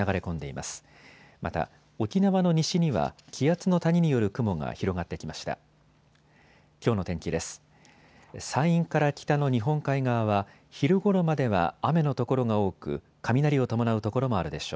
また沖縄の西には気圧の谷による雲が広がってきました。